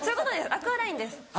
アクアラインです。